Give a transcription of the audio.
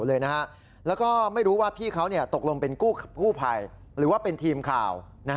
แล้วไม่รู้ว่าพี่เขาเป็นกู้ผือผ่ายหรือว่าเป็นทีมข่าว